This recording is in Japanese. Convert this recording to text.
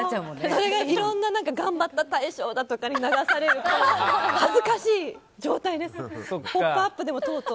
これがいろんな頑張った大賞とかに流されると恥ずかしい状態です。